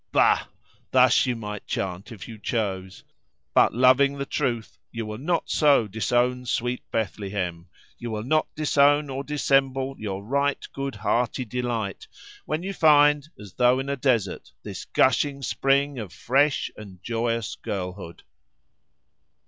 Bah! thus you might chant, if you chose; but loving the truth, you will not so disown sweet Bethlehem; you will not disown or dissemble your right good hearty delight when you find, as though in a desert, this gushing spring of fresh and joyous girlhood.